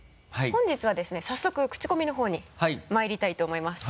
本日はですね早速クチコミの方にまいりたいと思います。